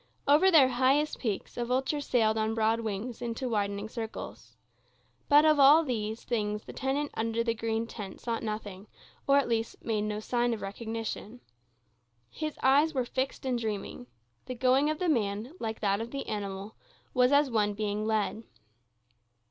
Over their highest peaks a vulture sailed on broad wings into widening circles. But of all these things the tenant under the green tent saw nothing, or, at least, made no sign of recognition. His eyes were fixed and dreamy. The going of the man, like that of the animal, was as one being led.